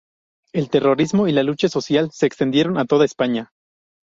El terrorismo y la lucha social se extendieron a toda España.